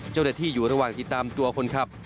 เจ้าหน้าที่อยู่ระหว่างติดตามตัวคนขับ